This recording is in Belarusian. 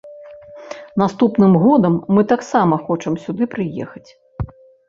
Наступным годам мы таксама хочам сюды прыехаць.